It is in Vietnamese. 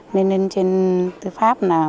nên lên trên tư pháp nào